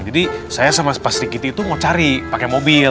jadi saya sama spas rikiti tuh mau cari pake mobil